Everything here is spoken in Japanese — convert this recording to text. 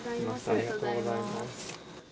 ありがとうございます。